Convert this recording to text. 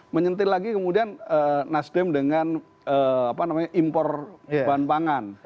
menyentil lagi kemudian nasdem dengan impor bahan pangan